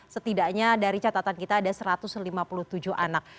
setidaknya dari catatan kita ada satu ratus lima puluh tujuh anak